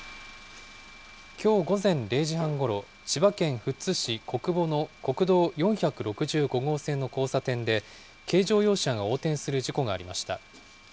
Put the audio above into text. きょう午前０時半ごろ、千葉県富津市小久保の国道４６５号線の交差点で、軽乗用車が横転する事故がありました。